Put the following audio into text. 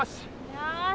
よし。